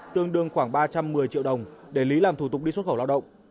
tương đương khoảng ba trăm một mươi triệu đồng để lý làm thủ tục đi xuất khẩu lao động